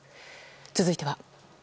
続いては。